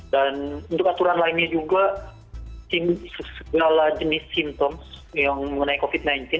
dan untuk aturan lainnya juga segala jenis simptom yang mengenai covid sembilan belas